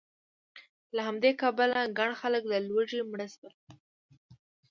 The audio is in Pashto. له همدې کبله ګڼ خلک له لوږې مړه شول